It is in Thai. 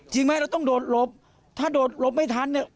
จริงไหมเราต้องโดดหลบถ้าโดดหลบไม่ทัน